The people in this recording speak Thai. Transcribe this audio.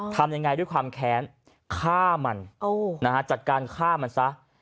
ทำยังไงด้วยความแค้นฆ่ามันจัดการฆ่ามันซะ